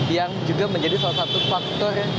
yang juga menjadi salah satu faktor